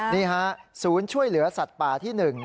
นี่ฮะศูนย์ช่วยเหลือสัตว์ป่าที่๑